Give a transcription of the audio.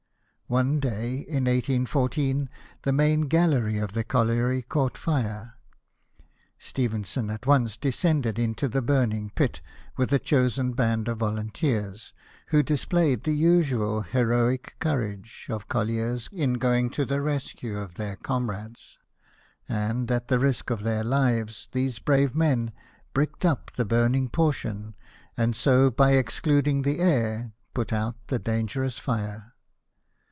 One day, in 1814, the main gallery of the colliery caught fire. Stephenson at once descended into the burning pit, with a chosen band of volunteers, who displayed the usual heroic courage of colliers in going to the rescue of their comrades ; and, at the risk of their lives, these brave men bricked up the burning portion, and so, by excluding the air, put out the dangerous fire.